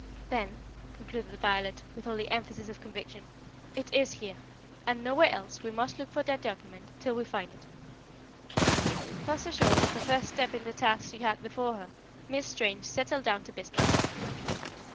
"Then," concluded Violet, with all the emphasis of conviction, "it is here, and nowhere else we must look for that document till we find it." Thus assured of the first step in the task she had before her, Miss Strange settled down to business.